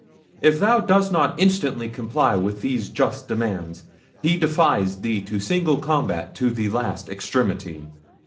If thou dost not instantly comply with these just demands, he defies thee to single combat to the last extremity."